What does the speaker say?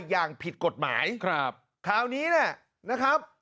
อย่างผิดกฎหมายครับคราวนี้เนี่ยนะครับ